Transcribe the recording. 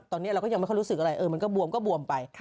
ตอนนี้เราก็ยังไม่ค่อยรู้สึกอะไรมันก็บวมก็บวมไป